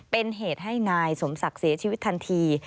เป็นเหตุให้นายสมศักดิ์เสียชีวิตทันที